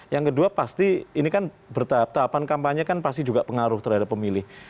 yang kedua pasti ini kan bertahap tahapan kampanye kan pasti juga pengaruh terhadap pemilih